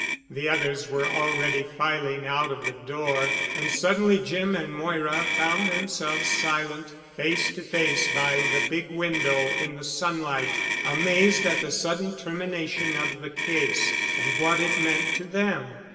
The others were already filing out of the door and suddenly Jim and Moira found themselves silent, face to face by the big window in the sunlight, amazed at the sudden termination of the case, and what it meant to them.